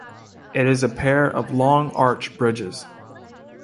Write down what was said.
It is a pair of long arch bridges.